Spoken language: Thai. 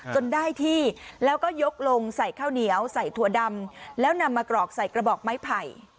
จนได้ที่แล้วก็ยกลงใส่ข้าวเหนียวใส่ถั่วดำแล้วนำมากรอกใส่กระบอกไม้ไผ่